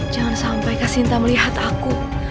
jangan sampai kasinta melihat aku